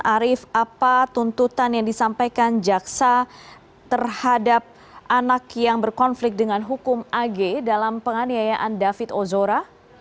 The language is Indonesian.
arief apa tuntutan yang disampaikan jaksa terhadap anak yang berkonflik dengan hukum ag dalam penganiayaan david ozora